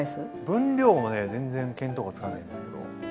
分量もね全然見当がつかないんですけど。